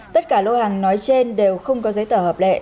tất cả lô hàng nói trên đều không có giấy tờ hợp lệ